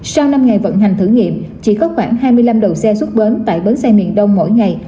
sau năm ngày vận hành thử nghiệm chỉ có khoảng hai mươi năm đầu xe xuất bến tại bến xe miền đông mỗi ngày